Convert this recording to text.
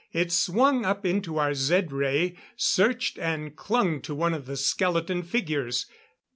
It swung up into our Zed ray, searched and clung to one of the skeleton figures.